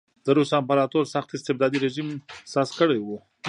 د روس امپراتور سخت استبدادي رژیم ساز کړی و.